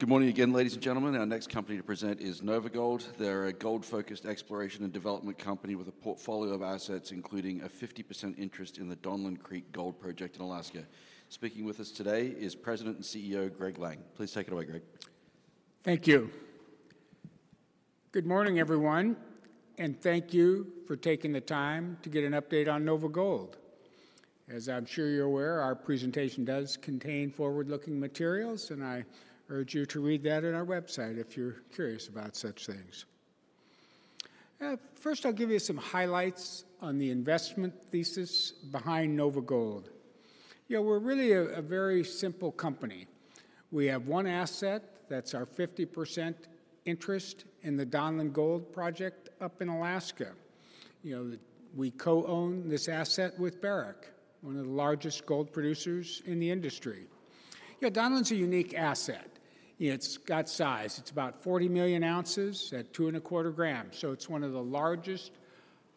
Good morning again, ladies and gentlemen. Our next company to present is NovaGold. They're a gold-focused exploration and development company with a portfolio of assets including a 50% interest in the Donlin Gold Project in Alaska. Speaking with us today is President and CEO Gregory Lang. Please take it away, Gregory. Thank you. Good morning, everyone, and thank you for taking the time to get an update on NovaGold. As I'm sure you're aware, our presentation does contain forward-looking materials, and I urge you to read that on our website if you're curious about such things. First, I'll give you some highlights on the investment thesis behind NovaGold. You know, we're really a very simple company. We have one asset that's our 50% interest in the Donlin Gold Project up in Alaska. You know, we co-own this asset with Barrick, one of the largest gold producers in the industry. You know, Donlin's a unique asset. It's got size. It's about 40 million ounces at 2.25 grams. So it's one of the largest,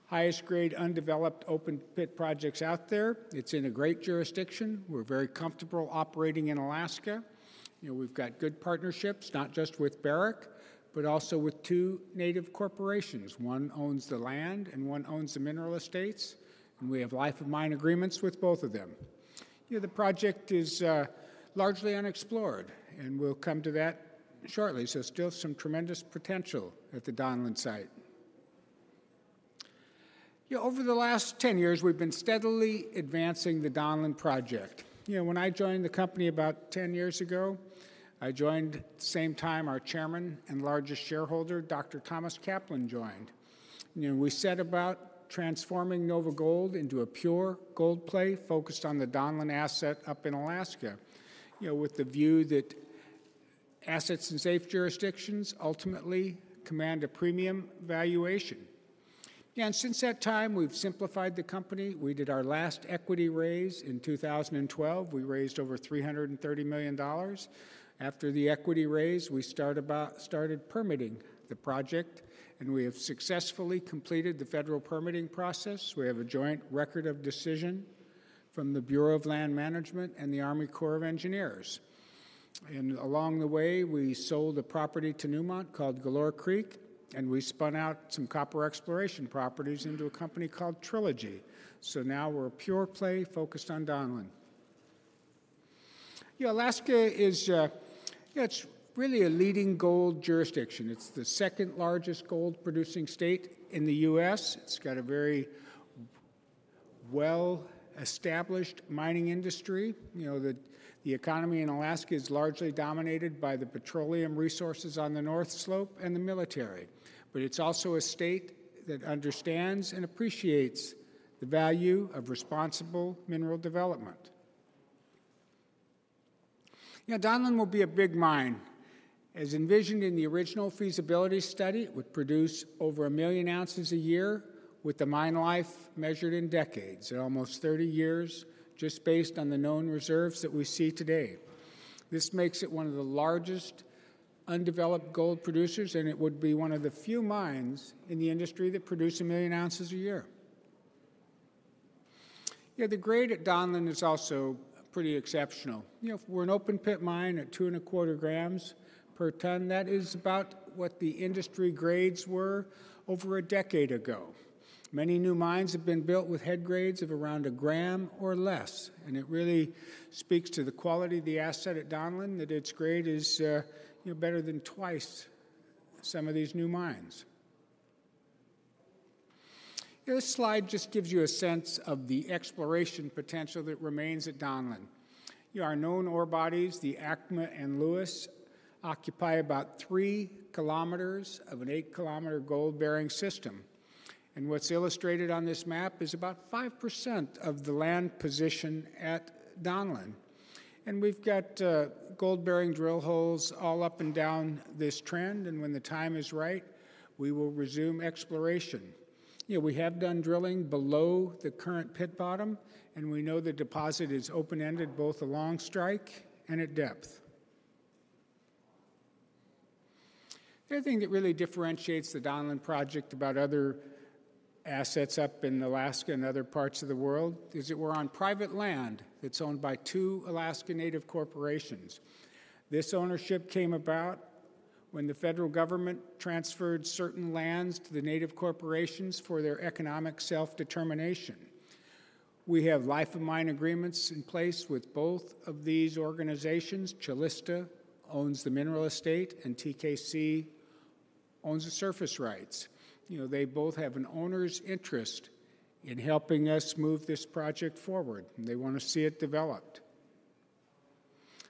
highest-grade undeveloped open-pit projects out there. It's in a great jurisdiction. We're very comfortable operating in Alaska. You know, we've got good partnerships, not just with Barrick, but also with two Native corporations. One owns the land and one owns the mineral estates, and we have life-of-mine agreements with both of them. You know, the project is largely unexplored, and we'll come to that shortly. So still some tremendous potential at the Donlin site. You know, over the last 10 years, we've been steadily advancing the Donlin Project. You know, when I joined the company about 10 years ago, I joined the same time our chairman and largest shareholder, Dr. Thomas Kaplan, joined. You know, we set about transforming NovaGold into a pure gold play focused on the Donlin asset up in Alaska, you know, with the view that assets in safe jurisdictions ultimately command a premium valuation. You know, and since that time, we've simplified the company. We did our last equity raise in 2012. We raised over $330 million. After the equity raise, we started permitting the project, and we have successfully completed the federal permitting process. We have a Joint Record of Decision from the Bureau of Land Management and the Army Corps of Engineers. Along the way, we sold a property to Newmont called Galore Creek, and we spun out some copper exploration properties into a company called Trilogy. Now we're a pure play focused on Donlin. You know, Alaska is, you know, it's really a leading gold jurisdiction. It's the second-largest gold-producing state in the U.S. It's got a very well-established mining industry. You know, the economy in Alaska is largely dominated by the petroleum resources on the North Slope and the military. But it's also a state that understands and appreciates the value of responsible mineral development. You know, Donlin will be a big mine. As envisioned in the original feasibility study, it would produce over 1 million ounces a year with a mine life measured in decades at almost 30 years, just based on the known reserves that we see today. This makes it one of the largest undeveloped gold producers, and it would be one of the few mines in the industry that produce 1 million ounces a year. You know, the grade at Donlin is also pretty exceptional. You know, if we're an open-pit mine at 2.25 grams per ton, that is about what the industry grades were over a decade ago. Many new mines have been built with head grades of around 1 gram or less, and it really speaks to the quality of the asset at Donlin that its grade is, you know, better than twice some of these new mines. You know, this slide just gives you a sense of the exploration potential that remains at Donlin. You know, our known ore bodies, the Acma and Lewis, occupy about three kilometers of an eight-kilometer gold-bearing system. What's illustrated on this map is about 5% of the land position at Donlin. We've got gold-bearing drill holes all up and down this trend, and when the time is right, we will resume exploration. You know, we have done drilling below the current pit bottom, and we know the deposit is open-ended both along strike and at depth. The other thing that really differentiates the Donlin Project about other assets up in Alaska and other parts of the world is that we're on private land that's owned by two Alaska Native corporations. This ownership came about when the federal government transferred certain lands to the Native corporations for their economic self-determination. We have life-of-mine agreements in place with both of these organizations. Calista owns the mineral estate, and TKC owns the surface rights. You know, they both have an owner's interest in helping us move this project forward, and they want to see it developed.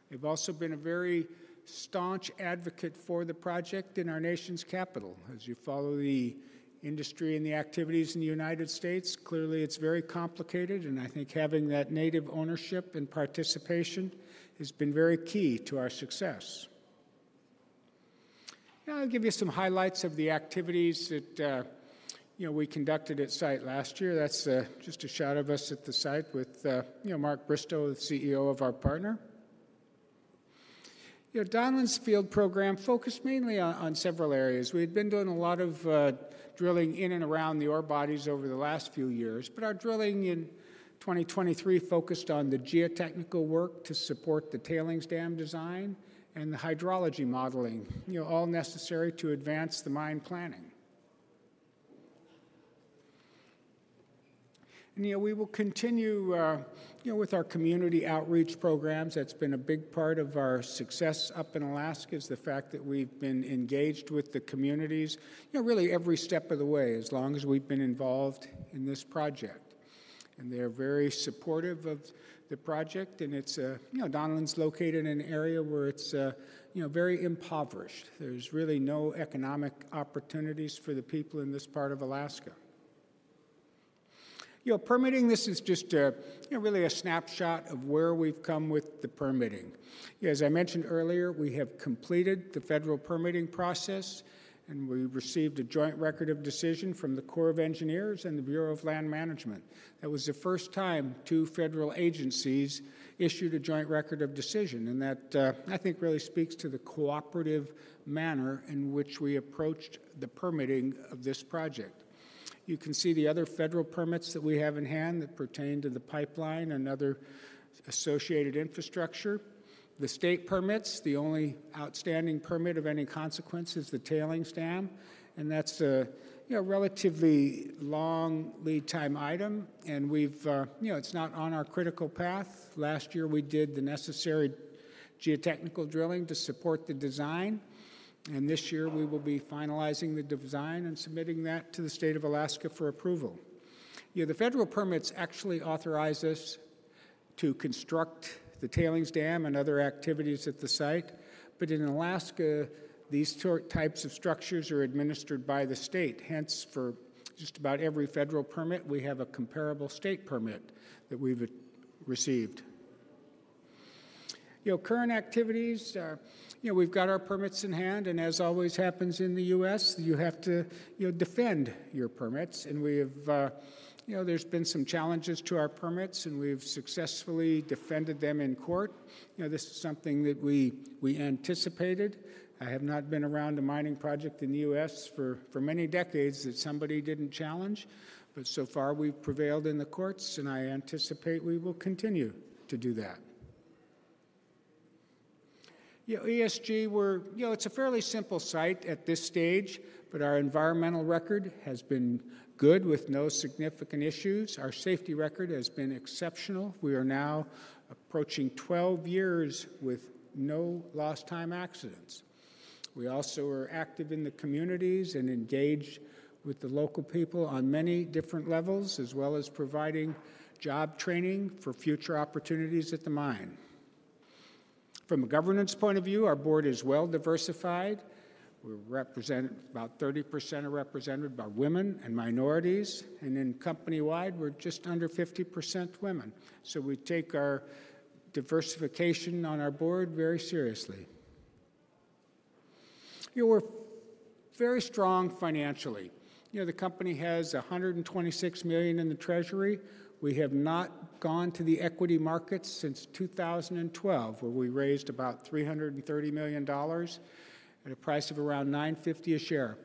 They've also been a very staunch advocate for the project in our nation's capital. As you follow the industry and the activities in the United States, clearly it's very complicated, and I think having that Native ownership and participation has been very key to our success. Now I'll give you some highlights of the activities that, you know, we conducted at site last year. That's just a shot of us at the site with, you know, Mark Bristow, the CEO of our partner. You know, Donlin's field program focused mainly on several areas. We had been doing a lot of drilling in and around the ore bodies over the last few years, but our drilling in 2023 focused on the geotechnical work to support the tailings dam design and the hydrology modeling, you know, all necessary to advance the mine planning. You know, we will continue, you know, with our community outreach programs. That's been a big part of our success up in Alaska is the fact that we've been engaged with the communities, you know, really every step of the way as long as we've been involved in this project. And they're very supportive of the project, and it's a, you know, Donlin's located in an area where it's, you know, very impoverished. There's really no economic opportunities for the people in this part of Alaska. You know, permitting, this is just a, you know, really a snapshot of where we've come with the permitting. You know, as I mentioned earlier, we have completed the federal permitting process, and we received a Joint Record of Decision from the Corps of Engineers and the Bureau of Land Management. That was the first time two federal agencies issued a Joint Record of Decision, and that, I think, really speaks to the cooperative manner in which we approached the permitting of this project. You can see the other federal permits that we have in hand that pertain to the pipeline and other associated infrastructure. The state permits, the only outstanding permit of any consequence, is the tailings dam, and that's a, you know, relatively long lead-time item, and we've, you know, it's not on our critical path. Last year, we did the necessary geotechnical drilling to support the design, and this year we will be finalizing the design and submitting that to the state of Alaska for approval. You know, the federal permits actually authorize us to construct the tailings dam and other activities at the site, but in Alaska, these types of structures are administered by the state. Hence, for just about every federal permit, we have a comparable state permit that we've received. You know, current activities, you know, we've got our permits in hand, and as always happens in the U.S., you have to, you know, defend your permits. And we have, you know, there's been some challenges to our permits, and we've successfully defended them in court. You know, this is something that we anticipated. I have not been around a mining project in the U.S. for many decades that somebody didn't challenge, but so far we've prevailed in the courts, and I anticipate we will continue to do that. You know, ESG, we're, you know, it's a fairly simple site at this stage, but our environmental record has been good with no significant issues. Our safety record has been exceptional. We are now approaching 12 years with no lost-time accidents. We also are active in the communities and engaged with the local people on many different levels, as well as providing job training for future opportunities at the mine. From a governance point of view, our board is well-diversified. We're represented, about 30% are represented by women and minorities, and in company-wide, we're just under 50% women. So we take our diversification on our board very seriously. You know, we're very strong financially. You know, the company has $126 million in the treasury. We have not gone to the equity markets since 2012, where we raised about $330 million at a price of around $9.50 a share.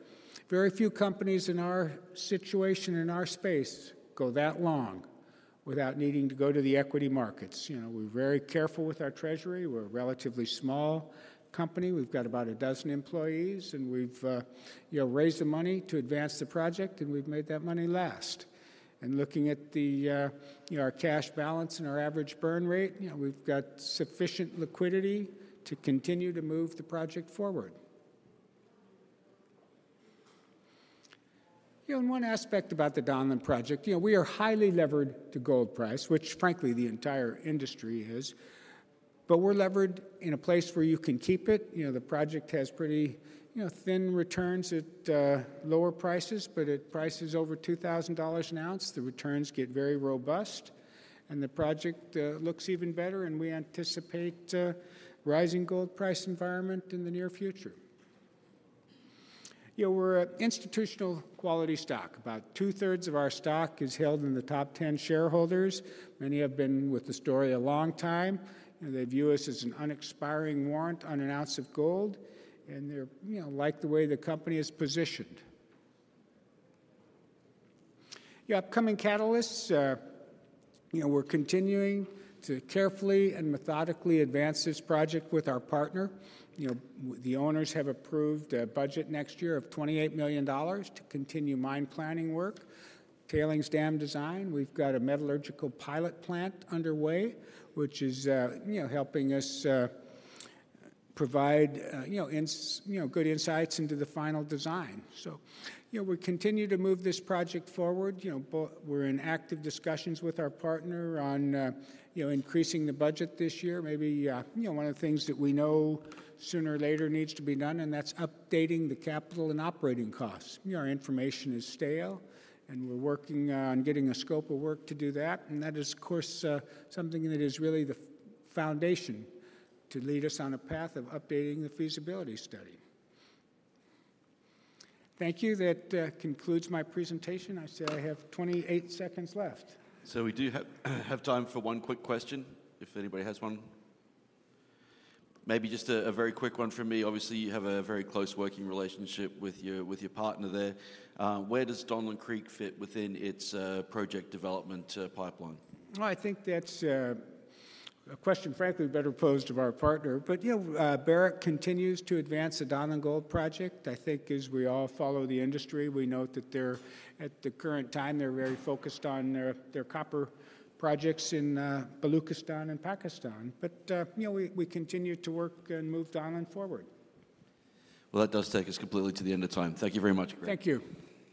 Very few companies in our situation in our space go that long without needing to go to the equity markets. You know, we're very careful with our treasury. We're a relatively small company. We've got about a dozen employees, and we've, you know, raised the money to advance the project, and we've made that money last. And looking at the, you know, our cash balance and our average burn rate, you know, we've got sufficient liquidity to continue to move the project forward. You know, in one aspect about the Donlin Project, you know, we are highly levered to gold price, which, frankly, the entire industry is. But we're levered in a place where you can keep it. You know, the project has pretty, you know, thin returns at lower prices, but at prices over $2,000 an ounce, the returns get very robust, and the project looks even better, and we anticipate a rising gold price environment in the near future. You know, we're an institutional quality stock. About two-thirds of our stock is held in the top 10 shareholders. Many have been with the story a long time. You know, they view us as an unexpiring warrant on an ounce of gold, and they're, you know, like the way the company is positioned. You know, upcoming catalysts, you know, we're continuing to carefully and methodically advance this project with our partner. You know, the owners have approved a budget next year of $28 million to continue mine planning work, tailings dam design. We've got a metallurgical pilot plant underway, which is, you know, helping us provide, you know, good insights into the final design. So, you know, we continue to move this project forward. You know, we're in active discussions with our partner on, you know, increasing the budget this year. Maybe, you know, one of the things that we know sooner or later needs to be done, and that's updating the capital and operating costs. You know, our information is stale, and we're working on getting a scope of work to do that, and that is, of course, something that is really the foundation to lead us on a path of updating the feasibility study. Thank you. That concludes my presentation. I say I have 28 seconds left. So we do have time for one quick question, if anybody has one. Maybe just a very quick one from me. Obviously, you have a very close working relationship with your partner there. Where does Donlin Gold fit within its project development pipeline? Well, I think that's a question, frankly, better posed of our partner. But, you know, Barrick continues to advance the Donlin Gold Project. I think, as we all follow the industry, we note that they're, at the current time, they're very focused on their copper projects in Balochistan, Pakistan. But, you know, we continue to work and move Donlin forward. Well, that does take us completely to the end of time. Thank you very much, Gregory. Thank you.